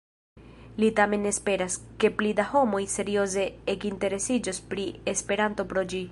Li tamen esperas, ke pli da homoj serioze ekinteresiĝos pri Esperanto pro ĝi.